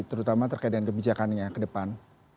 terutama terkait dengan kebijakannya ke depan